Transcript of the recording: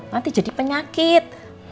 nanti jadi penyakit